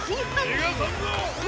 ・にがさんぞ！